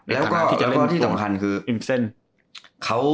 แล้วก็ที่สำคัญคือ